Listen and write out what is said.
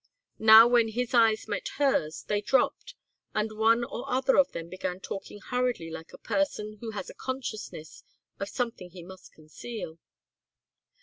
Now when his eyes met hers they dropped, and one or the other of them began talking hurriedly like a person who has a consciousness of something he must conceal.